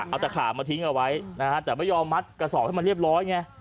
เอาตะขามาทิ้งเอาไว้นะฮะแต่ไม่ยอมมัดกระสอบให้มันเรียบร้อยไง